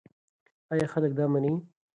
ایا خلک دا مني؟